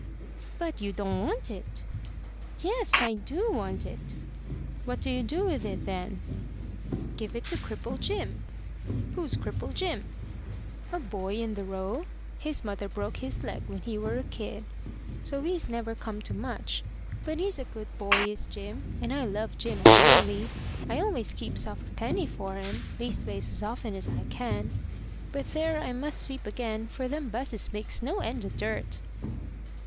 "But you don't want it!" "Yes, I do want it." "What do you do with it, then?" "Give it to cripple Jim." "Who's cripple Jim?" "A boy in the Row. His mother broke his leg when he wur a kid, so he's never come to much; but he's a good boy, is Jim, and I love Jim dearly. I always keeps off a penny for Jim leastways as often as I can. But there I must sweep again, for them busses makes no end o' dirt."